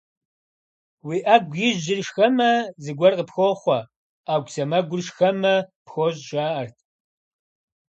Уи Ӏэгу ижьыр шхэмэ, зыгуэр къыпхохъуэ, ӏэгу сэмэгур шхэмэ - пхощӀ, жаӀэрт.